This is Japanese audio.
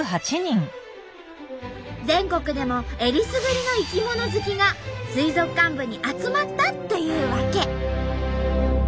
全国でもえりすぐりの生き物好きが水族館部に集まったっていうわけ。